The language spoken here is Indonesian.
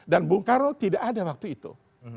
dan bung karno tidak ada waktu itu